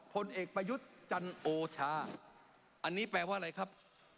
ผลเอกประยุทธ์จันโอชาอันนี้แปลว่าอะไรครับ